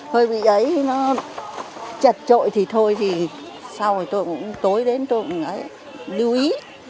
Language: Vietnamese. hơi bị ấy nó chật trội thì thôi thì sau này tôi cũng tối đến tôi cũng lưu ý